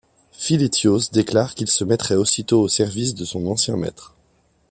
Philétios déclare qu'il se mettrait aussitôt au service de son ancien maître.